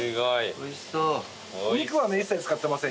おいしそう。